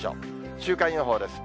週間予報です。